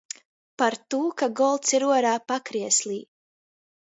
Partū ka golds ir uorā, pakrieslī.